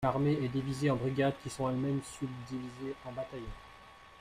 L'armée est divisée en brigades qui sont elles-mêmes subdivisées en bataillons.